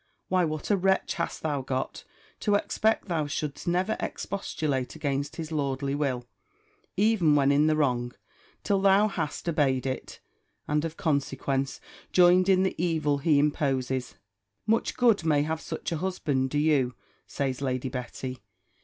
Why, what a wretch hast thou got, to expect thou shouldst never expostulate against his lordly will, even when in the wrong, till thou hast obeyed it, and of consequence, joined in the evil he imposes! Much good may such a husband do you, says Lady Betty!